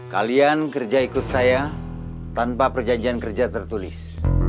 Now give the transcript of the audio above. kalian kerja ikut saya tanpa perjanjian kerja tertulis